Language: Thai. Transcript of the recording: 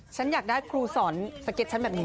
ฉันอยากได้ครูสอนสเก็ตฉันแบบนี้